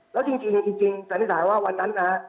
แล้วจริงจริงจริงจริงจริงสันติฐานว่าวันนั้นอ่ะ